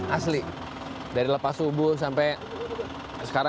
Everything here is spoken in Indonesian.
asli dari lepas subuh sampai sekarang